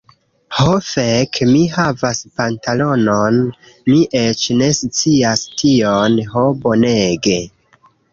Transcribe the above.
Ho, fek' mi havas pantalonon mi eĉ ne scias tion. Ho, bonege!